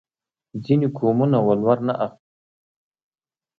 ځینې قومونه ولور نه اخلي.